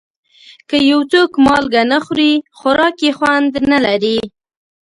که یو څوک مالګه نه خوري، خوراک یې خوند نه لري.